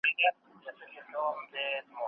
د اختر جامې زړې نه وي.